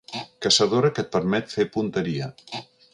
Caçadora que et permet fer punteria.